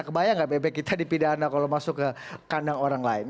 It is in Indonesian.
kebayang gak bebek kita dipidana kalau masuk ke kandang orang lain